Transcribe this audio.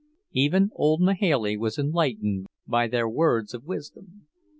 Even old Mahailey was enlightened by their words of wisdom.